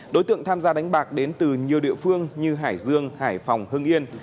đối tượng tham gia đánh bạc đến từ nhiều địa phương như hải dương hải phòng hưng yên